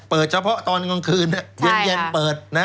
เปิดเฉพาะตอนกลางคืนเย็นเปิด